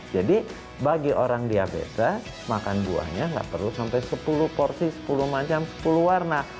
jadi bagi orang diabetes makan buahnya tidak perlu sampai sepuluh porsi sepuluh macam sepuluh warna